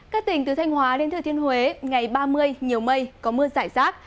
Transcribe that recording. các tỉnh từ thanh hóa đến thừa thiên huế ngày ba mươi nhiều mây có mưa rải rác